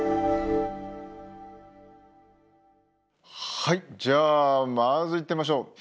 はいじゃあまずいってみましょう。